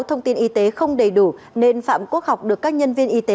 thông tin y tế không đầy đủ nên phạm quốc học được các nhân viên y tế